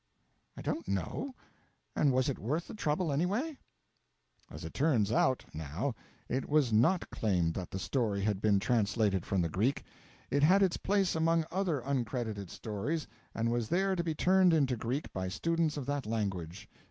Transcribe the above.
'I don't know. And was it worth the trouble, anyway?' As it turns out, now, it was not claimed that the story had been translated from the Greek. It had its place among other uncredited stories, and was there to be turned into Greek by students of that language.